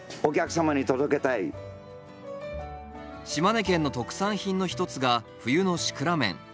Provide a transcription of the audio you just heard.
島根県の特産品の一つが冬のシクラメン。